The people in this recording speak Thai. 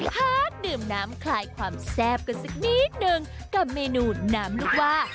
พักดื่มน้ำคลายความแซ่บกันสักนิดนึงกับเมนูน้ำลูกว่า